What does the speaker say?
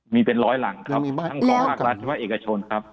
มีเป็นร้อยหลังครับทั้งของภาครัฐและภาคเอกชนครับ